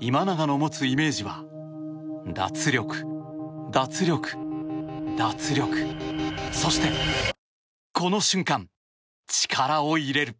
今永の持つイメージは脱力、脱力、脱力そしてこの瞬間、力を入れる。